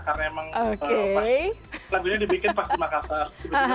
karena emang pas lagunya dibikin pas di makassar